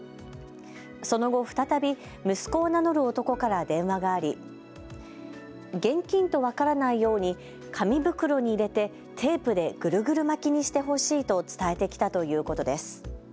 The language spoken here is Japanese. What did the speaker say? その後、再び息子を名乗る男から電話があり現金と分からないように紙袋に入れてテープでぐるぐる巻きにしてほしいと伝えてきたということです。